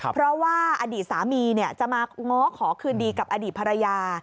เพราะว่าอดีตสามีจะมาง้อขอคืนดีกับอดีตภรรยา